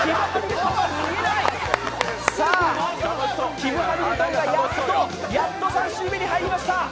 キム・ハミルトンがやっと３周目に入りました。